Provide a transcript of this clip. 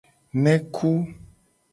Neku.